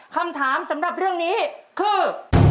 คำถามสำหรับเรื่องนี้คือ